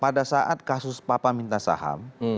pada saat kasus papa minta saham